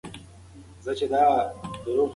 که موبایل ولرو نو اړیکه نه پرې کیږي.